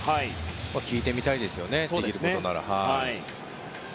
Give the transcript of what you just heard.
聞いてみたいですねできることなら。